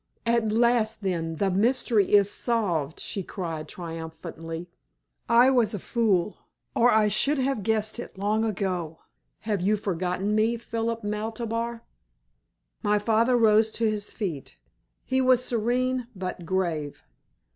"At last, then, the mystery is solved," she cried, triumphantly. "I was a fool or I should have guessed it long ago! Have you forgotten me, Philip Maltabar?" My father rose to his feet. He was serene, but grave.